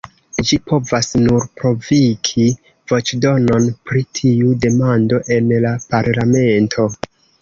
Ĝi povas nur provoki voĉdonon pri tiu demando en la parlamento.